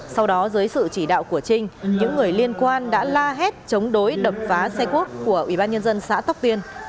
sau đó dưới sự chỉ đạo của trinh những người liên quan đã la hét chống đối đập phá xe cuốc của ubnd xã tóc tiên